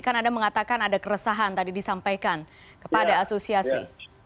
kan anda mengatakan ada keresahan tadi disampaikan kepada asosiasi